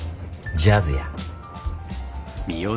ジャズや。